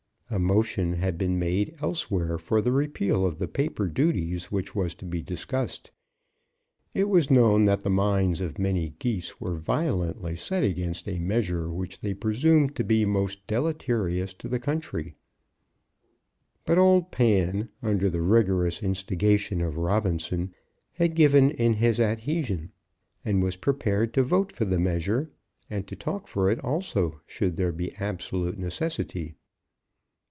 A motion that had been made elsewhere for the repeal of the paper duties was to be discussed. It was known that the minds of many Geese were violently set against a measure which they presumed to be most deleterious to the country; but old Pan, under the rigorous instigation of Robinson, had given in his adhesion, and was prepared to vote for the measure, and to talk for it also, should there be absolute necessity.